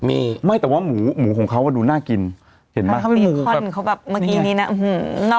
มีไม่แต่ว่าหมูหมูของเขาว่าดูน่ากินเห็นไหมเขาแบบเมื่อกี้นี้น่ะอื้อหือ